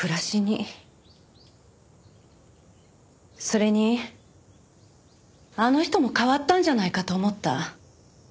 それにあの人も変わったんじゃないかと思った。